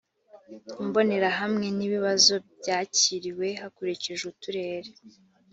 imbonerahamwe n ibibazo byakiriwe hakurikijwe uturere